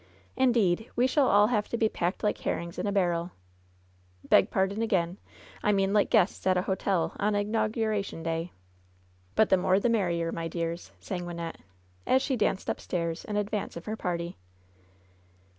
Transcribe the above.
Indeed, we shall all have to be packed like herrings in a barrel. Beg pardon, again. I mean like guests at a hotel on Inauguration Day. But U LOVE'S BITTEREST CUP the more the merrier, my dears/' sang Wynnette, afl she danced upstairs in advance of her party.